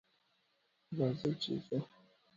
راځئ چې ځو!